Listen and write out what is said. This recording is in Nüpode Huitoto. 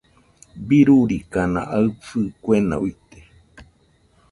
Birurikana aɨfo kuena uite.